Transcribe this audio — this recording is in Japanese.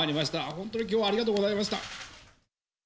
本当にきょうはありがとうございました。